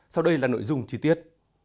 sau đây là nội dung chi tiết